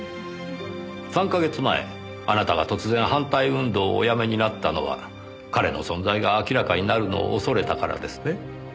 ３か月前あなたが突然反対運動をおやめになったのは彼の存在が明らかになるのを恐れたからですね？